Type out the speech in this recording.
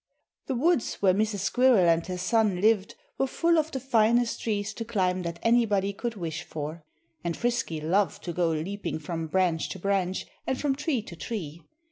The woods where Mrs. Squirrel and her son lived were full of the finest trees to climb that anybody could wish for. And Frisky loved to go leaping from branch to branch, and from tree to tree.